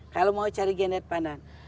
kalau mau cari genet panan